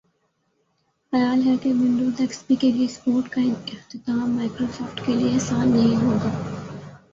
خیال ہے کہ ونڈوز ایکس پی کے لئے سپورٹ کااختتام مائیکروسافٹ کے لئے آسان نہیں ہوگا